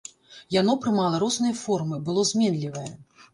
Яно прымала розныя формы, было зменлівае.